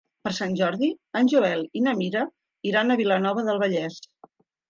Per Sant Jordi en Joel i na Mira iran a Vilanova del Vallès.